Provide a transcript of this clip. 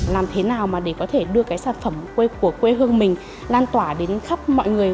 làm thế nào mà để có thể đưa cái sản phẩm của quê hương mình lan tỏa đến khắp mọi người